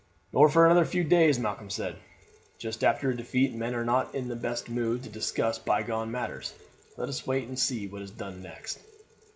"Nor for another few days," Malcolm said. "Just after a defeat men are not in the best mood to discuss bygone matters. Let us wait and see what is done next."